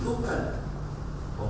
atau pemerintahan tidak muncul